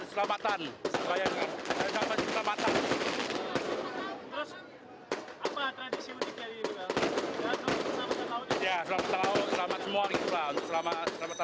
selamat selamat selamat selamat